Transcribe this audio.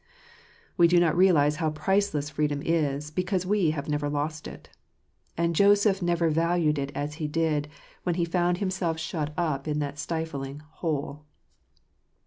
We do not realize how priceless freedom is, because ■ /we have never lost it. And Joseph never valued it as he di d wh en he found himse lf shut up in that stifling "hole."